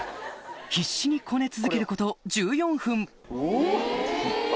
必死にこね続けること１４分